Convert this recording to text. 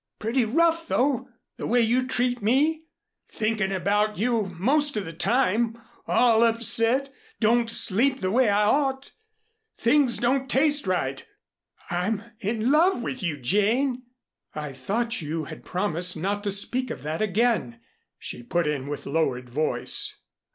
Pretty rough, though, the way you treat me. Thinkin' about you most of the time all upset don't sleep the way I ought things don't taste right. I'm in love with you, Jane " "I thought you had promised not to speak of that again," she put in with lowered voice.